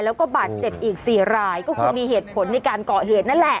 แล้วก็บาดเจ็บอีก๔รายก็คือมีเหตุผลในการก่อเหตุนั่นแหละ